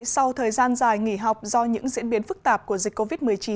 sau thời gian dài nghỉ học do những diễn biến phức tạp của dịch covid một mươi chín